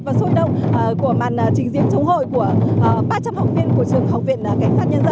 và sôi động của màn trình diễn chống hội của ba trăm linh học viên của trường học viện cảnh sát nhân dân